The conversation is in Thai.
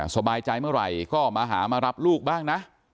สบายใจเมื่อไหร่ก็มาหามารับลูกบ้างนะ